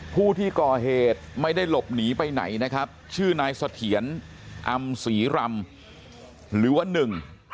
ผู้ที่ก่อเหตุไม่ได้หลบหนีไปไหนนะครับชื่อนายเสถียรอำศรีรำหรือว่าหนึ่ง